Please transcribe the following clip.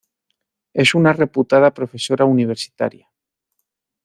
Es una reputada profesora universitaria.